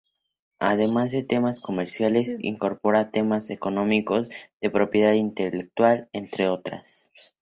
Además de temas comerciales, incorpora temas económicos, de propiedad intelectual, entre otras.